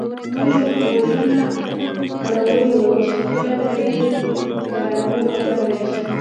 موږ غوږونه اړولي وو چې کله به دې د راتلو خبر راشي.